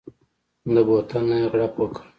د بوتل نه يې غړپ وکړ.